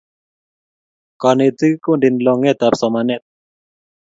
kanetik kondeni longet ap somanet